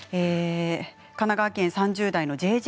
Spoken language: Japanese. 神奈川県３０代の方。